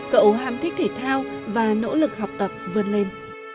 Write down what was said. cậu ham thích thể thao và nỗ lực học tập vươn lên